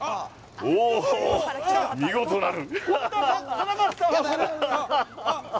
おおー、見事なる。